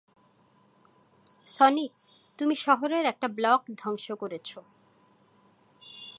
Sonic, তুমি শহরের একটা ব্লক ধ্বংস করেছ!